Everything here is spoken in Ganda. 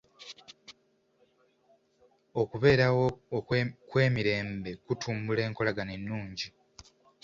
Okubeerawo kw'emirembe kutumbula enkolagana ennungi.